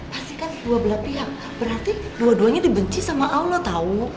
pasti kan dua belah pihak berarti dua duanya dibenci sama allah tau